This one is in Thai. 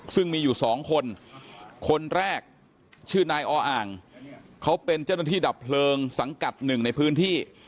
ซึ่งมีอยู่สองคนคนแรกชื่อนายออ่างเขาเป็นเจ้าหน้าที่ดับเพลิงสังกัดหนึ่งในพื้นที่